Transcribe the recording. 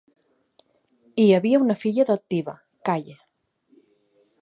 Hi havia una filla adoptiva, Kaye.